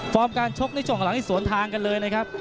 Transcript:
ฟอร์มการชกนี่ทรงหลังสวนทางกันเลยนะครับ